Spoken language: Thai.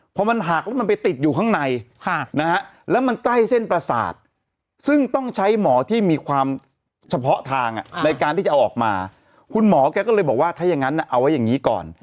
พอมันหักแล้วมันไปติดอยู่ข้างในแล้วมันใกล้เส้นประสาทซึ่งต้องใช้หมอที่มีความเฉพาะทางในการที่จะเอาออกมาคุณหมอแกก็เลยบอกว่าถ้าอย่างนั้นเอาไว้อย่างนี้ก่อน